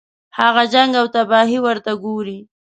هغه جنګ او تباهي ورته ګوري.